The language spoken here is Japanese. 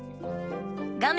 画面